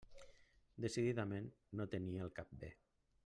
Decididament no tenia el cap bé.